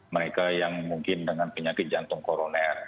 mereka yang mungkin dengan penyakit jantung koroner